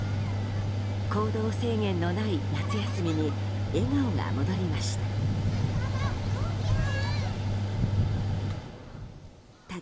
行動制限のない夏休みに笑顔が戻りました。